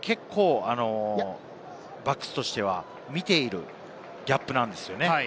結構、バックスとしては見ているギャップなんですよね。